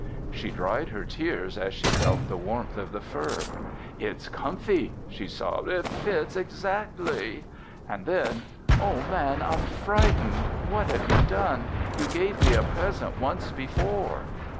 She dried her tears as she felt the warmth of the fur. "It's comfy," she sobbed. "It fits exactly." And then, "Oh, Man, I'm frightened. What have you done? You gave me a present once before."